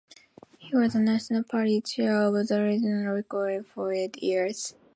He was the National Party chair of the Rangiora electorate for eight years.